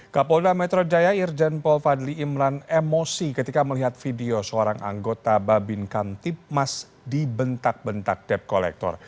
kapolda metro jaya irjen paul fadli imran emosi ketika melihat video seorang anggota babin kantipmas di bentak bentak depkolektor